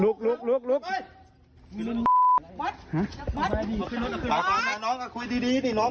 ลุกลุกลุกลุกเฮ้ยบอสบอสน้องน้องคุยดีดีดีดีน้อง